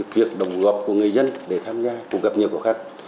việc đồng góp của người dân để tham gia cũng gặp nhiều khó khăn